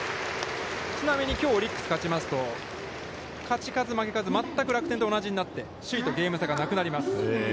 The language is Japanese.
ちなみにきょうオリックスが勝ちますと、勝ち数負け数全く楽天と同じになって首位とゲーム差がなくなります。